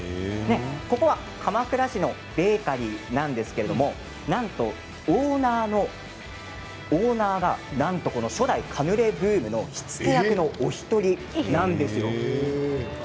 ここは鎌倉市のベーカリーなんですけれどもなんとオーナーがなんと初代カヌレブームの火付け役のお一人なんですよ。